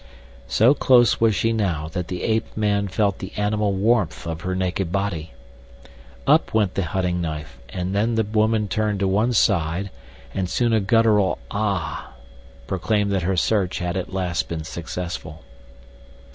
So close was she now that the ape man felt the animal warmth of her naked body. Up went the hunting knife, and then the woman turned to one side and soon a guttural "ah" proclaimed that her search had at last been successful.